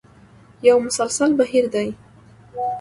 یو مسلسل بهیر دی.